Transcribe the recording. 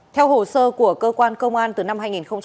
theo hồ sơ của cơ quan công an từ năm hai nghìn một mươi ba